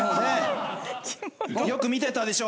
よく見てたでしょ